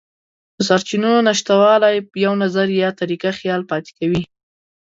د سرچینو نشتوالی یو نظر یا طریقه خیال پاتې کوي.